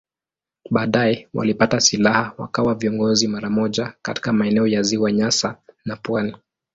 Baadaye walipata silaha wakawa viongozi mara moja katika maeneo ya Ziwa Nyasa na pwani.